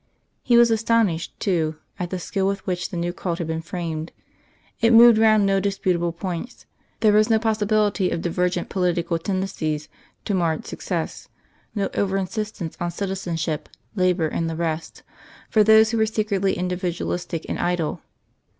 He was astonished, too, at the skill with which the new cult had been framed. It moved round no disputable points; there was no possibility of divergent political tendencies to mar its success, no over insistence on citizenship, labour and the rest, for those who were secretly individualistic and idle.